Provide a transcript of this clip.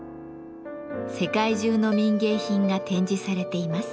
世界中の民芸品が展示されています。